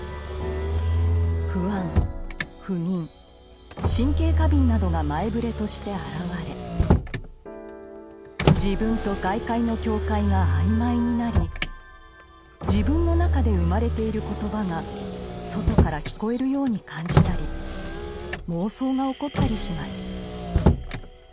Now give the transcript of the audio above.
不安不眠神経過敏などが前触れとして現れ自分と外界の境界が曖昧になり自分の中で生まれている言葉が外から聞こえるように感じたり妄想が起こったりします。